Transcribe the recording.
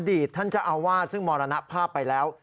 ตท่านเจ้าอาวาสซึ่งมรณภาพไปแล้ว